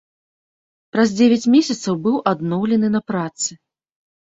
Праз дзевяць месяцаў быў адноўлены на працы.